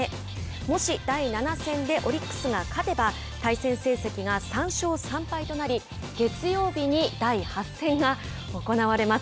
もし第７戦でオリックスが勝てば対戦成績が３勝３敗となり月曜日に第８戦が行われます。